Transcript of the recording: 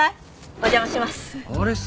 お邪魔します。